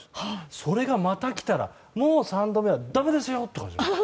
それがまた来たらもう３度目はだめですよ！と。